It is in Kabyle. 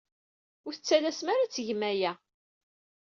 Ur tettalasem ara ad tgem aya!